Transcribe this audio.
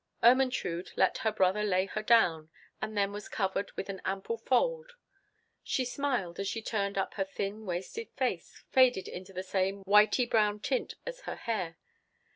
Ermentrude let her brother lay her down, and then was covered with the ample fold. She smiled as she turned up her thin, wasted face, faded into the same whitey brown tint as her hair.